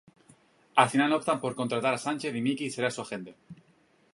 Al final optan por contratar a Sánchez y Mickey será su agente.